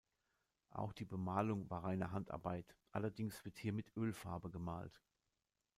Auch die Bemalung war reine Handarbeit, allerdings wird hier mit Ölfarbe gemalt.